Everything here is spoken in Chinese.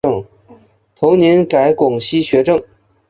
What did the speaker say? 同年改广西学政。